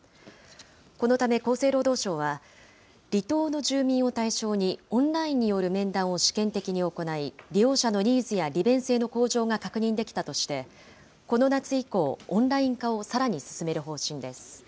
このため厚生労働省は、離島の住民を対象にオンラインによる面談を試験的に行い、利用者のニーズや利便性の向上が確認できたとして、この夏以降、オンライン化をさらに進める方針です。